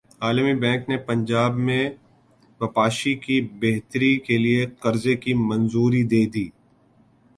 عالمی بینک نے پنجاب میں بپاشی کی بہتری کیلئے قرضے کی منظوری دے دی